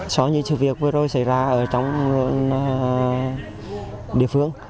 so với những sự việc vừa rồi xảy ra ở trong địa phương